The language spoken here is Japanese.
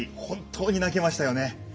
本当に泣けましたよね。